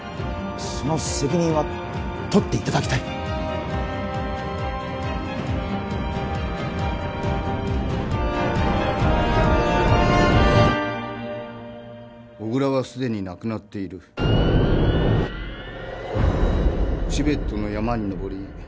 その責任は取っていただきたい小倉はすでに亡くなっているチベットの山に登り